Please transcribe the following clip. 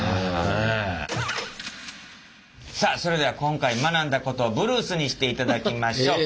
さあそれでは今回学んだことをブルースにしていただきましょう！